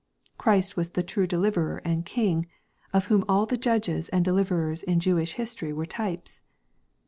Christ was the true Deliverer and King, of whom all the judges and deliverers in Jewish history were types.